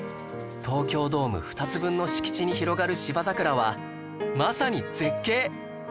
東京ドーム２つ分の敷地に広がる芝桜はまさに絶景！